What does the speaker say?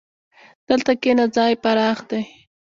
دلته کښېنه، ځای پراخ دی.